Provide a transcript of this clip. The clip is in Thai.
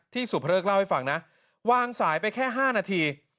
สุภเริกเล่าให้ฟังนะวางสายไปแค่๕นาที